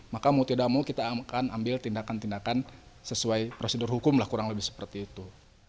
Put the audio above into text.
maka mau tidak mau kita akan ambil tindakan tindakan sesuai prosedur hukum lah kurang lebih seperti itu